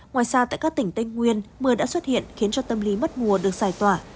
ngoài ra tại các tỉnh tây nguyên mưa đã xuất hiện khiến cho tâm lý mất mùa được giải tỏa